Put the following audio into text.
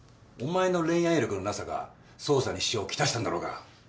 お前の恋愛力のなさが捜査に支障を来したんだろうが。